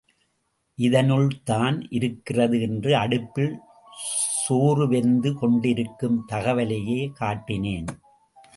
இதனுள்தான் இருக்கிறது என்று அடுப்பில் சோறுவெந்து கொண்டிருக்கும் தவலையைக் காட்டினேன்.